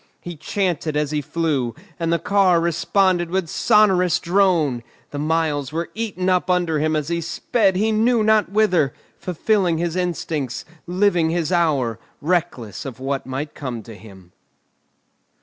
He chanted as he flew, and the car responded with sonorous drone; the miles were eaten up under him as he sped he knew not whither, fulfilling his instincts, living his hour, reckless of what might come to him.